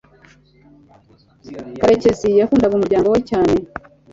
karekezi yakundaga umuryango we cyane